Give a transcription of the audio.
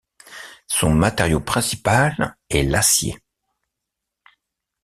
Son matériau principal est l'acier.